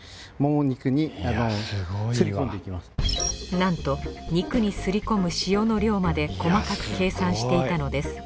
なんと肉に擦り込む塩の量まで細かく計算していたのです。